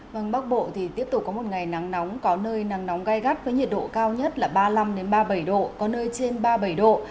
vâng bắc bộ thì tiếp tục có một ngày nắng nóng có nơi nắng nóng gai gắt với nhiệt độ cao nhất là ba mươi năm ba mươi bảy độ có nơi trên ba mươi bảy độ